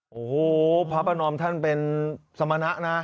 โอ้โหพระประนอมท่านเป็นสมณะนะ